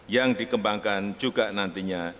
yang dikembangkan juga nantinya